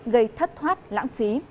gây thất thoát lãng phí